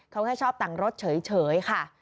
เขาแค่ชอบแต่งรถเฉยค่ะ